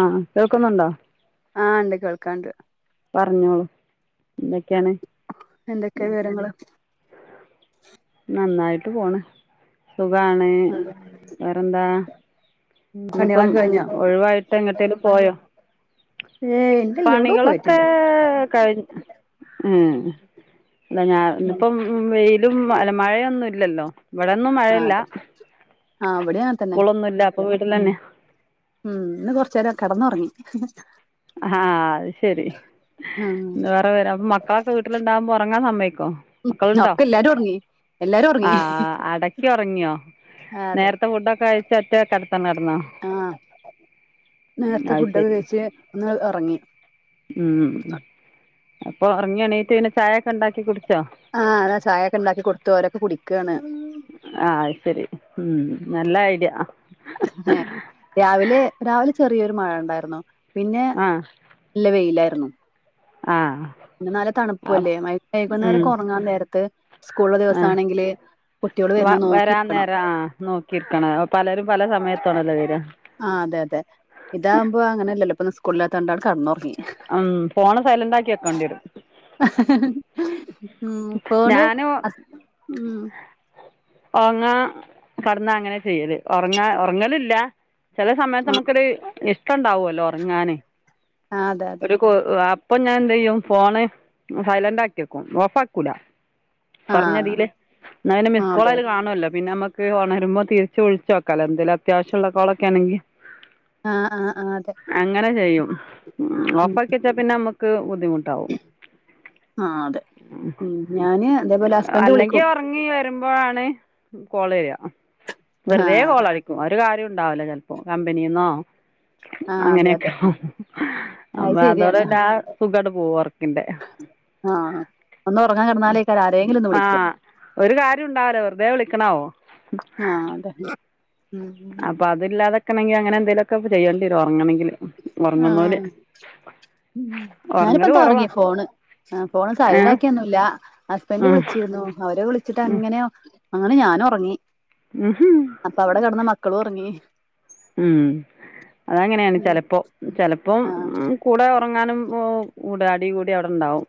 ആഹ കേൾക്കുന്നുണ്ടോ ആഹ ഉണ്ട് കേൾക്കാണ്ട് പറഞ്ഞോളൂ എന്തൊക്കെയാണ് എന്തൊക്കെയ വിവരങ്ങള് നന്നായിട്ട് പോണ് സുകാണ് വേറെന്താ ഉം ഇന്നിപ്പം പണികളൊക്കെ കഴിഞ്ഞോ ഒഴിവായിട്ട് എങ്ങട്ടേലും പോയോ ഏയ് ഇല്ലല്ല എവിടോ പണികളൊക്കെ പോയിട്ടില്ല കഴി ഉം അല്ലാ ഞാൻ ഇന്നിപ്പം വെയിലും അല്ല മഴയൊന്നും ഇല്ലല്ലോ ഇവിടൊന്നും ആഹ് മഴയില്ല അതെ ആഹ് ഇവിടെ അങ്ങനെ തന്നെ സ്കൂളൊന്നുംല്ല അപ്പൊ വീടിലന്നെ ഉം ഇന്ന് കൊറെ ചേരം കെടന്നുറങ്ങി ആഹ അത് ശരി ഉം ന്തുവ വര അപ്പൊ മക്കളൊക്കെ വീട്ടിലുണ്ടാകുമ്പോൾ ഉറങ്ങാ സമ്മയിക്കോ മക്കളുണ്ടോ ഒക്കെ എല്ലാരും ഉറങ്ങി എല്ലാരും ആ ഉറങ്ങി അടക്കി ഉറങ്ങിയോ ആഹ് അതെ നേരത്തെ ഫുഡൊക്കെ അഴച്ച ഒറ്റ കടുത്താണ്ട് കടന്നോ ആഹ് നേരത്തെ ഫുഡൊക്കെ കയ്ച്ച് ഒന്ന്ഉറങ്ങി ഉം അപ്പൊ ഉറങ്ങി എണീട്ട് പിന്നെ ചായയൊക്കെ ഉണ്ടാക്കി കുടിച്ചോ ആഹ് അത ചായയൊക്കെ ഉണ്ടാക്കി കൊടുത്തു അവരൊക്കെ കുടിക്കയാണ്‌ ആഹ അത് ശരി ഉം നല്ല ഐഡിയ ആ രാവിലെ രാവിലെ ചെറിയൊരു മഴ ഉണ്ടായിരുന്നു പിന്നെ ആഹ ഇല്ല വെയിലായിർന്നു ആഹ് പിന്ന നല്ല തണുപ്പു അല്ലേ മൈ കൈകുന്നേരം ഒക്കെ ഉറങ്ങാൻ നേരത്ത് സ്കൂളുള്ള ആ ദിവസാണെങ്കില് കുട്ടികള് വരുന്ന നോക്കിയിരിക്കണം കിട്ടണ പലരും പല സമയത്താണല്ലോ വെര ആ അതെ അതെ ഇതാവുമ്പോ അങ്ങന അല്ലല്ലോ ഇപ്പൊ സ്കൂളിലാത്ത കൊണ്ടാണ് കടന്നോ ഉം ഫോണ് സൈലന്റ് ആക്കി വക്കേണ്ടി വരും ഉ പോണ് ഹസ് ഉം ഉറങ്ങാ കടന്നാ അങ്ങനെ ചെയ്യല് ഉറങ്ങാ ഉറങ്ങലല്ല ചെല സമയത്ത് ആ നമുക്കൊരു ഇഷ്ടം ഉണ്ടാവൂല്ലോ ഉറങ്ങാന് ആ അതെ അതെ ഒരു പ്പ്‌ അപ്പൊ ഞാൻ എന്ത ചെയ്യും ഫോണ് സൈലന്റ് ആക്കിയക്കും ഓഫ് ആക്കൂല ആ കൊറഞ്ഞതില് ന്നാലു ആ മിസ്സ്കാൾ അതെ അതില് അതെ കാണുവല്ലോ പിന്നെ നമ്മക്ക് ക്കെ ഉണരുമ്പോ തിരിച്ച് വിളിച്ചോക്കാലോ എന്തലും അത്യാവശ്യമുള്ള കോളൊക്കെ ആണെങ്കി ആഹ് ആഹ് ആ് അതെ അങ്ങനെ ചെയ്യും മം ഉം ഓഫ് ആക്കി വെച്ചാ പിന്നെ നമുക്ക് ബുദ്ധിമു ആ അതെ ഉം ഞാന് അതേപോലെ ഹസ്ബൻഡ് വിളിക്കും ഇനി വരുമ്പോഴാണ് കോള് വരിക ആ വെറുതെ കോളായി ഒരു കാര്യം ഉണ്ടാവൂല ചെലപ്പോ കമ്പനിന്നോ ആ അതെ അങ്ങനെയൊക്കെ അതെ അ അത് ശരിയാണ് അതോരെല്ല സുഖട പോവും ഉറക്കിന്റെ ആഹ് ആഹ് ഉ ആഹ ഒരു കാര്യം ഉണ്ടാവൂല വെറുതെ വിളിക്കണവു ആഹ് അതെ ഉം ഇപ്പ അതില്ലാതെകണങ്കിൽ അങ്ങനെ എന്തെങ്കിലുക്കെ ചെയ്യേണ്ടിവരും ഉറങ്ങണങ്കില് ആഹ് ഉം ഉറങ്ങൽ ഞാനിപ്പോ തുടങ്ങി കുറവാണ് ഫോണ് ഏ ഫോണ് ഏ സൈലന്റാകിഒന്നുല്ലാ ഹസ്ബൻഡ് ആ വിളിച്ചിരുന്നു അവരെ വിളിച്ചിട്ട് അങ്ങനെ അങ്ങനെ ഞാന ഉറങ്ങി ഉംഹും അപ്പവ്ട കട്ന്ന് മക്കളൊറങ്ങി. ഉം അതങ്ങനേണ് ഉം ചെലപ്പോ ചെലപ്പോം ആഹ് ഉം കൂടെ ഒറങ്ങാനും ഊ കൂടെ അടി കൂടി അവ്ടണ്ടാവും.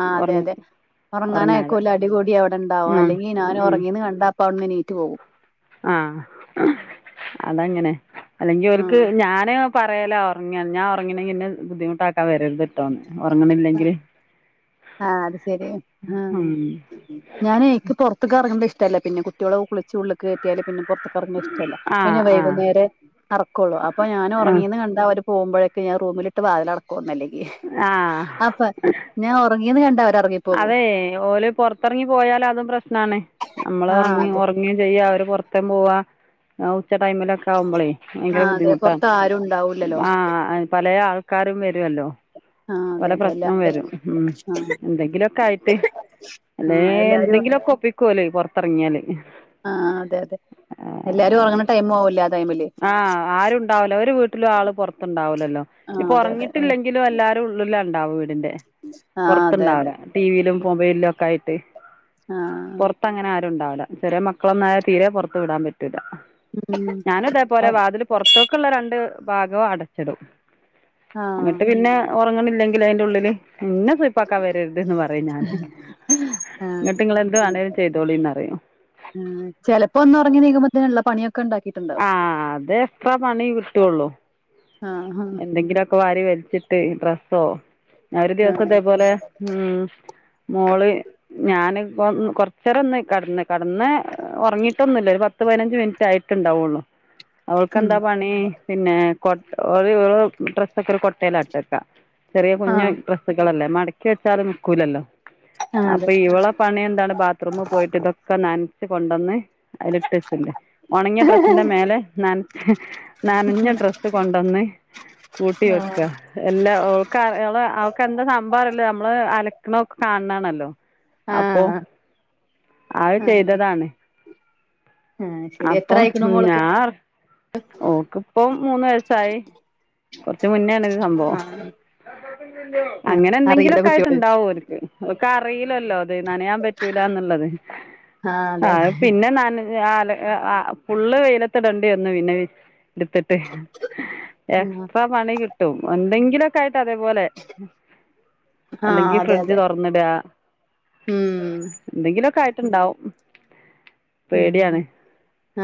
ആഹ് അതെ അതെ ഉറങ്ങാതെ ഒറങ്ങാനയ്ക്കൂല്ല അടികൂടി അവ്ടെണ്ടാവും ആ ഉം അല്ലെങ്കി ഉം ഞാനൊറങ്ങീന്ന് കണ്ടാ പ്പവ്‌ട്ന്ന് എണീറ്റു പോവും. ആഹ് അ് അതങ്ങനെ അല്ലെങ്കി ഓല്ക്ക് ആഹ് ഞാന് പറയല ഒറ്ങ്ങാൻ ഞാൻ ഒറങ്ങണെങ്കി ന്നെ ബുദ്ധിമുട്ടാക്കാ വരരുത്ട്ടോന്ന് ഒറങ്ങണില്ലെങ്കില്. ആഹ് അത് ശെരിയാണ് ഉം ഞാനെ ഇൻക്ക് പൊറ്ത്ത്ക്കറങ്ങണ്ട് ഇഷ്ടല്ല പിന്നെ കുട്ടിയോളെ കുളിച്ചുള്ളു കേറ്റിയാല് പിന്നെ പൊ റ്ത്ത് ക്കറ്ങ്ങ്ണ് ഇഷ്ടല്ല. പിന്നെ ആഹ് ആഹ് വൈകുന്നേരെ അറക്കൊള്ളൂ അപ്പൊ ഞാന് ആഹ് ഒറങ്ങീന്ന് കണ്ടാ ഓര് പോവ്മ്പഴേക്ക ഞാ റൂമിലിട്ട് വാതിലടക്കും ഒന്നല്ലെങ്കി ആഹ് ഞാ ഒറങ്ങീന്ന് കണ്ട അവരറങ്ങി അതെ ഓല് പൊറ്ത്തറങ്ങി പോയാല് അതും പ്രശ്നാണ്. ആഹ് നമ്മളൊറങ്ങി അതെ ഒറ് ങ്ങും ചെയ്യും അവര് പൊറ്ത്തെം പോവാ ആഉച്ച ടൈമിലൊക് ക്കാവുമ്പളെ ഭയങ്കര ആഹ് അതെ ബുദ്ധിമുട്ടാ പുറത്ത് ആരും ഉണ്ടാവൂല്ലല്ലോ ആഹ് പലേ ആൾക്കാരും വരുവല്ലോ ആഹ് അതെ പല അതെ പ്രശ്നം എല്ലാരും വരും ഉം ആഹ് എന്തെങ്കിലൊക്കായിട്ട് അല്ലെ ആഹ് എല്ലാരും എന്തെങ്കിലൊക്കെ ഒപ്പിക്കോലോ ഈ പൊറത്തെറങ്ങിയാല്. ആഹ് അതെ അതെ എല്ലാരും ഒറങ്ങണ ടൈമാവൂലെ ആ ടൈമില് ആ ആരും ഉണ്ടാവില്ല ഒരു വീട്ടിലും ആൾ ആഹ് അതെ അതെ എല്ലാരുള്ളിലാണ്ടാവ് വീടിന്റെ അതെ അതെ പൊറ്ത്തുണ്ടാവുല ടി വിയിലും മൊബൈലിലൊക്കായിട്ട് ആഹ് ആഹ് ആഹ് ഇപ്പൊങ്ങനെ ആരുണ്ടാവുല ചെറിയ മക്കളൊന്നായ തീരെ പൊറത്ത് വിടാൻ പറ്റൂല്ല ഉം ഞാനും ഇതേപോലെ ആഹ് വാതില് പൊറ്ത്തേക്കുള്ള രണ്ട് ഭാഗം അടച്ചിടും. ആഹ് അങ്ങനില്ലെങ്കി അയിൻ്റുള്ളില് ഇന്നെ സുയിപ്പാക്കാൻ വരരുത് ന്ന് പറിം ഞാന്. ആഹ് എന്നിട്ട് ഇങ്ങളെന്ത് വേണേലും ചെയ്തോളിന്നറിയും ആഹ് ചെലപ്പോന്നൊറങ്ങി ണീക്കുമ്പോത്തിന് ഉള്ള പണിയൊക്കെ ഇണ്ടാക്കിയിട്ടുണ്ട് ആഹ് അതെക്സ്ട്രാ പണി കിട്ടുള്ളൂ. ആഹ് എന്തെങ്കിലൊക്കെ വാരി വലിച്ചിട്ട് ഡ്രസ്സോ ഞാൻ ഒരു ദിവ്സം ആഹ് ഇതേപോലെ ഉം മോള് ഞാൻ ഇപ്പൊ കൊറച്ചേരൊന്ന് കടന്ന് കടന്ന് ഉറങ്ങിയിട്ടൊന്നുല്ല ഒരു പത്ത് പതിനഞ്ച് മിനിറ്റായി ട്ടുണ്ടാവുള്ളൂ ഉം അവൾക്കെന്താ പണി പിന്നെ കൊ ഒര് ഒ ഡ്രസ്സൊക്കെ ഒരു കൊട്ടയിലാട്ടക്കാ ചെറിയ കുഞ്ഞു ആഹ് ഡ്രെ സുകളല്ലേ മടക്കി വെച്ചാലും നിക്കൂലല്ലോ ആഹ് അതെ അപ്പൊ ഇവള പണി എന്താണ് ബാത്റൂമ് പോയിട്ട് ഇതൊക്കെ നൻച്ച് കൊണ്ടന്ന് അയിലിട്ടച്ച്ണ്ട്. ഒണങ്ങിയ ഡ്രസ്സിന്റെ മേലെ നൻ നനഞ്ഞ ഡ്രസ്സ് കൊണ്ടന്ന് കൂട്ടി വെക്ക എല്ലാ ഓക്ക് ഓൾ അവക്കെന്താ സംഭവറീല നമ്മള് അലക്ക്ണോക്ക് കാ ണാല്ലോ അപ്പോ ആഹ് അഅ് ആഹ് ചെയ്തതാണ് ആഹ് ശരി എത്ര അപ്പം ആയിക്കണു മോൾക്ക് ഞാഒർ ഓക്ക്പ്പം മൂന്ന് വയസായി. കൊറ്ച്ച് മുന്നേണ് ആഹ് ആഹ് അറിയില്ല അങ്ങനെന്തെങ്കിലൊക്കായിട്ട് കുട്ടിയോൾക്ക് ഉണ്ടാവോൽക്ക് ഓക്കറിയില്ലല്ലോ ഇത് നനയാൻ പറ്റൂലാന്നുള്ളത്. [inaudible] അതെ അതെ ആഹ് പിന്നെ നന് ആല് ഫുള്ള് വെയിലത്തിടണ്ടി വന്നു പിന്നെ ടുത്തിട്ട് ആഹ് എക്സ്ട്രാ പണി കിട്ടും എന്തെങ്കിലൊക്കായിട്ട് അതേപോലെ ആഹ് അല്ലെങ്കി അതെ ഫ്രിഡ്ജ് അതെ തുറന്നിട്ക ഉം എന്തെങ്കിലും ഒക്കെ ആയിട്ടുണ്ടാവും ഉം പേടിയാണ്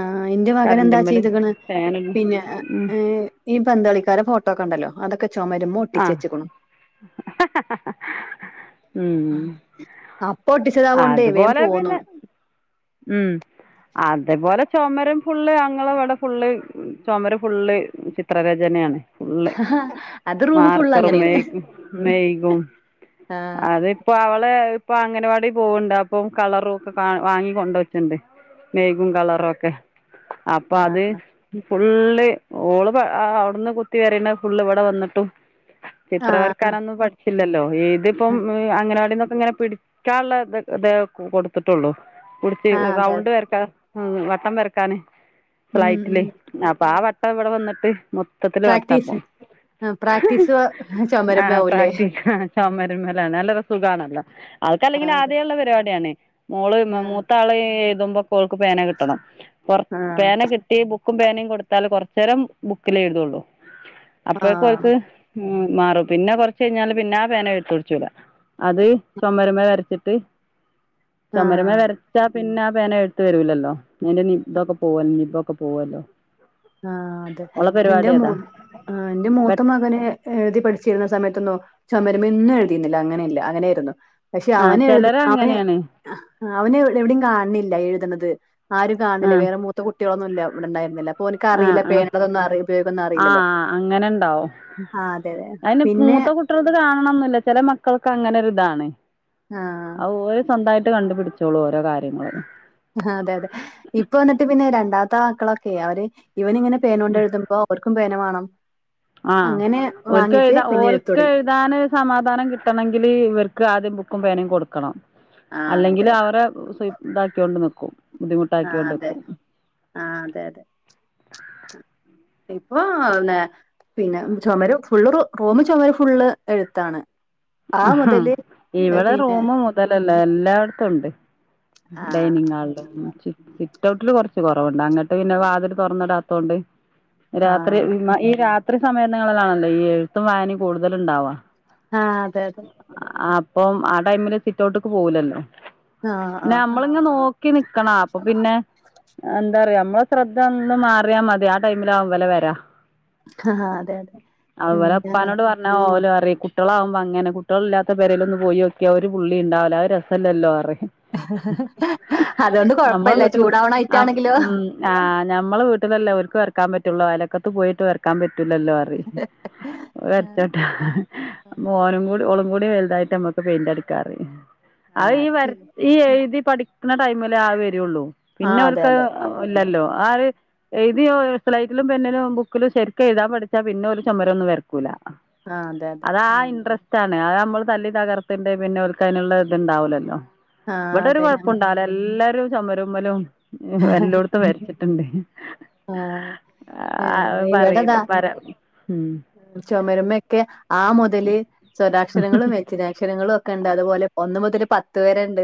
ആഹ് എന്റെ മകൻ എന്താ കറണ്ടിന്മേലും ചെയ്തുക്ക്ണ് ഫാനും പിന്നെ ഉം ഏ ഈ പന്തളിക്കാരെ ഫോട്ടോക്കൊണ്ടല്ലോ അതൊക്കെ ചുമരുമ്മേ ആ ഒട്ടിച്ച് വെച്ചക്കുണു [unintelligible] ഉം അപ്പൊ ഒട്ടിച്ചതാവോണ്ടേ അതു വേം പോലെ പോന്നു പിന്നെ ഉം അതേ പോലെ ചോമര് ഫുള്ള് ഞങ്ങള ഇവടെ ഫുള്ള് ചോമര് ഫുള്ള് ചിത്രരചനയാണ് ഫുള്ള് ഹാ മാർക്കറും മേയ്ഗും മെയ്ഗും ആഹ് അത് ഇപ്പൊ അവള് ഇപ്പൊ അംഗനവാടി പോവ്ണ്ട് അപ്പം കളറും ഒക്ക വാങ്ങി കൊണ്ട് വച്ണ്ട് മെയ്ഗും കളറോക്കെ അപ്പ ആഹ് അത് ഫുള്ള് ഓള് പ അവ്ട്ന്ന് കുത്തി വരിണ ഫുള്ള് ഇവട വന്ന്ട്ടും ചിത്രം ആഹ് വര്ക്കാനൊന്നും പട്ച്ചില്ലല്ലോ എഴുതി ഇപ്പം അങ്ങനവാടിന്നൊക്ക ഇങ്ങനെ പിടി ക്കാള്ള ഇതെ കൊട്ത്ത്ട്ടോള്ളൂ പുട്ച്ച് ആഹ് അതെ റൗണ്ട് അതെ വര്ക്കാ ഉം വട്ടം വര്ക്കാന് ഉം ഉം സ്ലൈറ്റില് അപ്പ ആ വട്ടം ഇവട വന്ന്ട്ട് മോ പ്രാക്ടീസ് ആ. പ്രാക്ടീസ് ചോമര്മ ആവുലെ ചോമര്മലാണ് നല്ലര് സുഖാണല്ലോ അവക്ക് അല്ലെങ്കില് ആഹ് അതെ ആദ്യേ ഇള്ള പരിവാടിയാണ് മോള് ആഹ് മൂത്താള് എഴുതുമ്പ പ്പോ ഓൾക്ക് പേന കിട്ടണം കൊർ ആഹ് പേന കി ട്ടി ബുക്കും പേനിം കൊടുത്താല് കൊർചെരം ബുക്കിലെ എഴുതൊള്ളൂ അപ്പ ആഹ് ഉം മാറും പിന്നെ കൊർച് കഴിഞ്ഞാല് പിന്നെ ആ പേന എയ്ത്തുട്ച്ചൂല അത് ചൊമര്മ വര്ച്ട്ട് ചോമര്മേ ആഹ് വര് ച്ചാ പിന്നെ ആ പേന എയ്ത്ത് വരൂലല്ലോ അയിന്റെ നി തൊക്ക പോവോ നിബൊക്കെ പോവല്ലോ നിബൊക്കെ പോവല്ലോ ആ അതെ ഓളെ ഇന്റെ പരിപാടി മൂ അതാ ആ ഇന്റെ പെ മൂത്ത മകന് എഴുതി പഠിച്ചിരുന്ന സമയത്തന്നോ ചോമര്മേന്നും എഴുതിരുന്നില്ല അങ്ങനെ ഇല്ല അങ്ങനെയിരുന്നു പക്ഷെ ആ അവന് എഴുത് ചെലര് അവന് അങ്ങനെയാണ് ആ അവന് എവ് എവ്ടിം കാൺണില്ല എഴുത്ണത് ആരും കാൺണില്ല ആഹ് വേറെ മു ത്ത കുട്ടിയളൊന്നുല്ല ഇവടണ്ടായിരുന്നില്ല ഓൻക്ക് ആഹ് അറീല ആഹ് പേണതൊന്നും അറി ഉപയോഗന്നും അറീലല്ലോ ആഹ് അങ്ങനെണ്ടാവും ആ അതെ അതെ പിന്നെ ട്ടർത് കാണണംന്ന്ല്ല ചെല മക്കൾക്ക് അങ്ങനെ ഒര്താണ് ആഹ് അ ഓല് സ്വന്തായിട്ട് കണ്ടുപിടിച്ചോളൂ ഓരോ കാര്യങ്ങള് ആ അതെ അതെ ഇപ്പൊന്നട്ട് പിന്നെ രണ്ടാമത്തെ മക്കളൊക്കെ അവര് ഇവന് ഇങ്ങനെ പേനോണ്ട് എഴുതുമ്പോ അവർക്കും പേന വാണം അങ്ങനെ വാങ്ങീട്ട് പിന്നെ എഴുത്ത് തോടങ്ങി ധാന ഒര് സമാധാനം കിട്ടണങ്കില് ഇവര്ക്ക് ആദ്യം ബുക്കും പേനിം കൊട്ക്കണം ആ അല്ലെങ്കില് അതെ. അവരെ സു ഇതാക്കിയൊണ്ട് നിക്കും ആ ബുദ്ധിമുട്ടാക്കിയോണ്ട് അതെ നിക്കും ആ അതെ അതെ ഇപ്പൊ ന്നെ പിന്നെ ചോമര് ഫുള്ള് റു റുമും ചോമര് ഫുള്ള് എഴുത്താണ് ആ അഹാ മുതല് ഇവള് പിന്നെ റുമ് മൊ ഇതലല്ല എല്ലാട്ത്തും ഉണ്ട് ആ. ഡൈനിങ് ഹാൾലും സിറ്റ് ഔട്ട്ല് കൊർച്ച് കോറവ്ണ്ട് അങ്ങട്ട് പിന്നെ വാത് ല് തൊർന്ന് ഇടാത്തൊണ്ട് ആ. രാത്രി ഈ രാത്രി സമയ നിങ്ങളിലാണല്ലോ ഈ എഴുത്തും വായനിം കൂടുതല്ണ്ടാവാ ആ അതെ അതെ അപ്പം ആ ടൈമ് ല് സിറ്റ് ഔട്ട്ക്ക് പോവുലല്ലോ ആ ആ നമ്മള് ഇങ്ങൻ നോക്കി നിക്കണ അപ്പൊ പിന്നെ എന്താറിയോ നമ്മള ശ്രദ്ധ ഒന്ന് മാറിയാ മതി ആ ടൈമ് ലാവും ഇവല വര ആ അതെ, അതെ. അ ഉം ഇവലെ ഞങ്ങ ഇപ്പാനോട് പർഞ്ഞ ഓലറിം കുട്ടിയളാവു മ്പം അങ്ങനെ കുട്ടിയൾല്ലാത്തെ പേരലോന്ന് പോയൊക്കിയ ഒരു പുള്ളി ഇണ്ടാവുല അത് രസല്ലല്ലോറിം അതുകൊണ്ട് നമ്മളെ കൊഴപ്പല്ല വീട്ടില് ചൂടാവണ അയിറ്റം ആഹ് ആണെങ്കിലോ ഉം ആഹ് ഞമ്മള് വീട്ടിലല്ലേ ഓല്ക് വറക്കാൻ പറ്റുള്ളോ അയലക്കത്ത് പോയിട്ട് വറക്കാൻ പറ്റൂലല്ലോ പറയും [unintelligible] ആ, അ ആ. ഓനും കൂടി ഓളും കൂടി വലുതായിട്ട്മ്മക്ക് പെയിന്റ് എടുക്കാറ് ആ അ ഈ അത് വ ശരി. ഈ എഴുതി പഠിക്കുന്ന ടൈമില് ആ വരുള്ളൂ ആ പിന്നെ അതെ, അവർക്ക് അതെ. ഇല്ലല്ലോ ആര് എഴതിയോ സ്ലൈറ്റിലും പെന്നിലും ബുക്കിലും ശരിക്കും എഴുതാൻ പഠിച്ചാ പിന്നെ ഒരു ചമ്മലൊന്നും വരുത്തില്ല ല ആ അതെ, അതെ. അതാ ഇൻട്രറസ്റ്റ് ആണ് അത് നമ്മള് തല്ലി തകർത്തിന്റെ പിന്നെ ഒരുക്കനുള്ള ഇത്ണ്ടാവലല്ലോ ആ ഇവിടെ ഒരു അതെ. കൊഴപ്പുണ്ടാവില്ല എല്ലാരും ചമരമ്മലും എല്ലോടത്തും മരിച്ചിട്ട് ആഹ് ഏഹ് പറയല പരാം ഉം ഉ ചുമരുമയൊക്കെ ആ മുതല സ്വരാക്ഷരങ്ങളും വെജ്ഞനാക്ഷരങ്ങളും ക്കണ്ട് അതുപോലെ ഒന്ന മുതല് പത്ത് പരെണ്ട്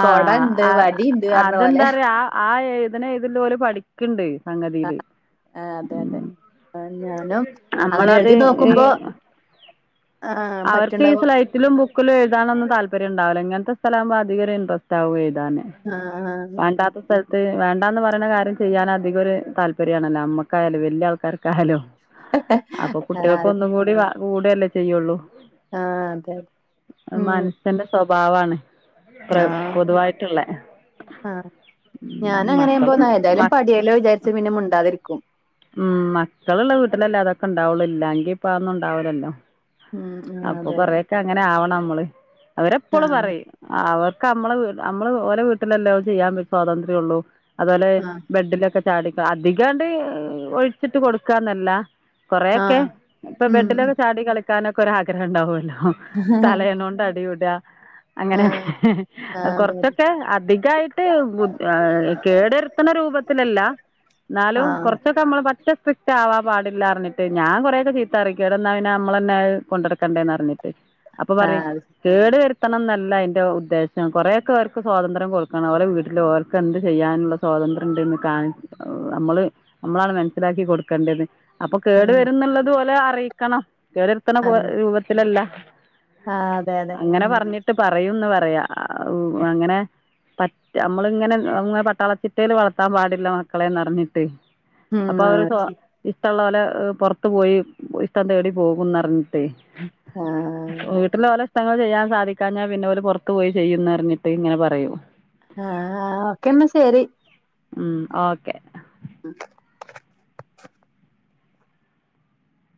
ആ പോലെ അതെന്താ പറയാ ആ എഴുതണ ഇതില് ഓല് പഠി ക്കണ്ട് സംഗതിയില് ആ അതെ അതെ ഞാനും അങ്ങനെ നമ്മളത് എഴുതി ഈ നോക്കുമ്പോ ആഹ് അവർക്ക് ഈ പറ്റുണ്ടാവും സ്ല തി ബുക്കും എഴുനൊന്ന താല്പര് ഉണ്ടാവില്ലങ്ങനത്തെ ഇങ്ങനെത്തെ സ്ഥലക്പോ അധികം ഇൻട്രസ്റ്റ് ആകും എഴുതാന ആഹ് വേണ്ടാത്ത സ്ഥലത്ത് വേണ്ടാന്ന് പറയുന്ന കാര്യം ചെയ്യാൻ അധികം ഒരു താല്പര്യംണല്ലോ അമ്മക്കായാലും വലിയ ആൾക്കാർക്കായാലും ആഹ് അപ്പൊ കുട്ടികൾക്ക് ഒന്നും കൂടി കൂടല്ലേ ചെയ്യുള്ളൂ ആഹ അതെ അതെ അത് മനുഷ്യന്റെ സ്വഭാവാണ് ആഹ ആ ഞാന അങ്ങനെയുമ്പോ മക്കള് എന്തായാലും മ പ ല്ല വിചാരിച്ച പിന്നെ മിണ്ടാതിരിക്കും ഉം മക്കളുള്ള വീട്ടിലല്ലേ അതൊക്കെ ഉണ്ടാവുള്ളൂ ഇല്ല എങ്കി ഇപ്പ അന്നുംണ്ടാവലല്ലോ ഉം ആഹ് അപ്പൊ അതെ അതെ കൊറയൊക്കെ അങ്ങനെ ആവണം നമ്മള് അവരെപ്പോളും ആഹ് അതെ പറയും അവർക്ക് നമ്മള നമ്മള് ഓരോ വീട്ടിലെല്ല ചെയ്യാൻ പറ്റ സ്വാതന്ത്ര്യം ഉള്ളൂ അതുപോലെ ആഹ് ബെഡിലൊക്കെ ചാടിക്ക അധികാണ്ട് ഒഴിച്ചിട്ട് കൊടുക്കാന്നല്ല കുറെക്കെ ആഹ് ഇപ്പൊ ഉം ബെഡിലൊക്കെ ചാടി കളിക്കാനൊക്കെ ഒ ആഗ്രഹം ഉണ്ടാവുമല്ലോ തലയണോണ്ട് അടികൂടുക അങ്ങനെ ആഹ് ആഹ് അതെ അതെ കുറച്ചൊക്കെ അധികമായിട്ട് കേടുരുത്തണ രൂപത്തിലല്ല എന്നാലും ആഹ് കുറ നമ്മൾ പെ സ്ട്രിക് ആവാൻ പാടില്ല പറഞ്ഞട്ട് ഞാൻ കൊറെക്ക ചീത്തറക്ക അവിടൊ നമ്മൾന്നെ കൊണ്ടക്ക കണ്ടന്ന് അറിഞ്ഞിട്ട് അപ്പൊ പറ ആഹ് കേടു വരുത്തണം എന്നല്ല അതിന്റെ ഉദ്ദേശം കുറെക്കെ അവർക്ക് സ്വാതന്ത്ര്യം കൊടുക്കാണ് അവലെ വീട്ടിൽ അവർക്ക് എന്ത് ചെയ്യാനുള്ള സ്വാതന്ത്ര്യം ഉണ്ട്ന്ന് കാണി നമ്മൾ നമ്മളാണ് മനസ്സിലാക്കി കൊടുക്കേണ്ടത് അപ്പൊ കേടു വര ആഹ് എന്നുള്ളത്പലെ അറിയിക്കണം കേട് ഇ രൂപത്തിലല്ല ആഹ് അതെ അങ്ങനെ അതെ പറഞ്ഞിട്ട് പറയൂന്ന് പറയാ അങ്ങനെ പറ്റ നമ്മളിങ്ങനെ അ പട്ടാളച്ചിട്ടൽ വളർത്താൻ പാടില്ല മക്കളെ നിറഞ്ഞിട്ട് ഉം അപ്പൊ അവര് ഇഷ്ടമുള്ള പോലെ പുറത്തു പോയി ഇഷ്ടം തേടി പോകന്ന്റിഞ്ഞിട്ടേ ആഹ വീട്ടില് ഓല ഇഷ്ടങ്ങൾ ചെയ്യാൻ സാധിക്കാ ഞ്ഞാ പിന്നെ പോറത്ത് പോയി ചെയ്യുംന്ന് അറിഞ്ഞിട്ട് ഇങ്ങനെ പറയും ആഹ ഓക്കെന്നാ ശരി ഉം ഓക്കെ ഉം